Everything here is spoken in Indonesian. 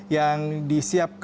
yang disiapkan oleh komisi politik